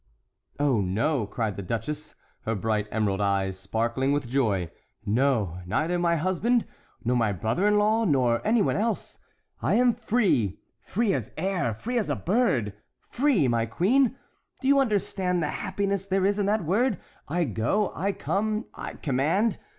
"Oh, no," cried the duchess, her bright emerald eyes sparkling with joy; "no, neither my husband, nor my brother in law, nor any one else. I am free—free as air, free as a bird,—free, my queen! Do you understand the happiness there is in that word? I go, I come, I command.